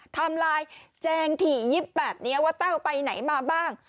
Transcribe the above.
ไลน์แจงถี่ยิบแบบนี้ว่าแต้วไปไหนมาบ้าง